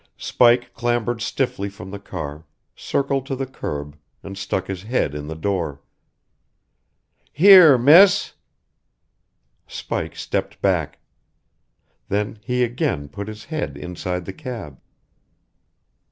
Spike clambered stiffly from the car, circled to the curb, and stuck his head in the door. "Here, miss " Spike stepped back. Then he again put his head inside the cab.